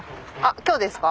今日ですか？